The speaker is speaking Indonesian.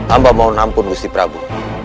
amba mau nampun gusi prabu